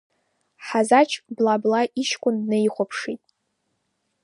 Ҳазач бла-бла иҷкәын днаихәаԥшит.